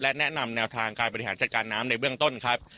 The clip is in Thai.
และแนะนำแนวทางการบริหารจัดการน้ำในเบื้องต้นครับ